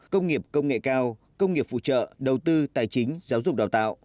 công nghiệp công nghệ cao công nghiệp phụ trợ đầu tư tài chính giáo dục đào tạo